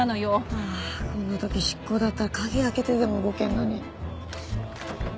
ああこんな時執行だったら鍵開けてでも動けるのに。